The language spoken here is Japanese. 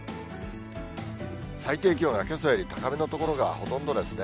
最低気温はけさより高めの所がほとんどですね。